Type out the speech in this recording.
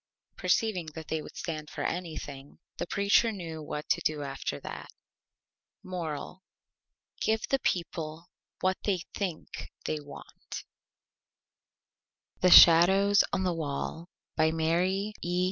Perceiving that they would stand for Anything, the Preacher knew what to do after that. MORAL: Give the People what they Think they want. THE SHADOWS ON THE WALL By MARY E.